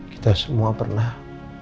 kita semua pernah